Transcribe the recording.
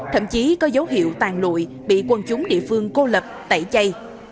thậm chí có dấu hiệu tàn lụi bị quân chúng địa phương cô lập tẩy chay